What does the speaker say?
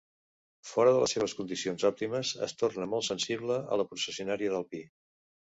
Fora de les seves condicions òptimes es torna molt sensible a la processionària del pi.